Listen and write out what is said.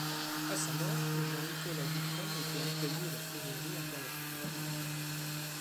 À sa mort, Jean-Nicolas Dufresne était employé à la Trésorerie impériale.